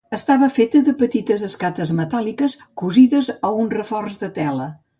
Estava feta de petites escates metàl·liques cosides a un reforç de tela.